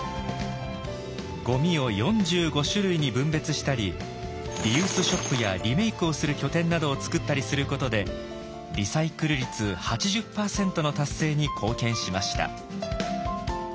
ゴミを４５種類に分別したりリユースショップやリメイクをする拠点などを作ったりすることでリサイクル率８０％の達成に貢献しました。